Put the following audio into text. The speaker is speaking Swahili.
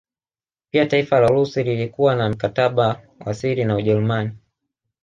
Pia taifa la Urusi lilikuwa na mkataba wa siri na Ujerumani